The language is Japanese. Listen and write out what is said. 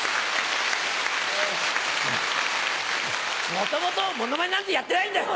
元々モノマネなんてやってないんだよ